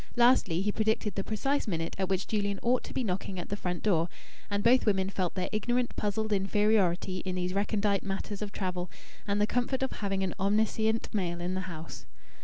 Lastly he predicted the precise minute at which Julian "ought" to be knocking at the front door. And both women felt their ignorant, puzzled inferiority in these recondite matters of travel, and the comfort of having an omniscient male in the house.